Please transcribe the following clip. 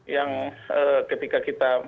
yang ketika kita